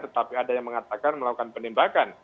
tetapi ada yang mengatakan melakukan penembakan